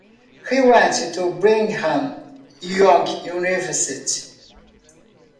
He went to Brigham Young University.